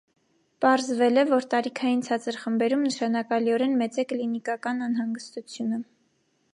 Պարզվել է, որ տարիքային ցածր խմբերում նշանակալիորեն մեծ է կլինիկական անհանգստությունը։